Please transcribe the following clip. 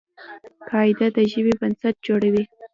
قاعده د ژبي بنسټ جوړوي.